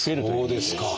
ああそうですか。